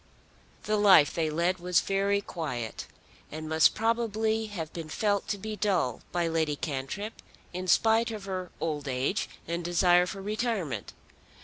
The life they led was very quiet, and must probably have been felt to be dull by Lady Cantrip, in spite of her old age and desire for retirement.